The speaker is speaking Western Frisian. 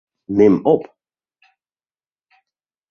Nim op.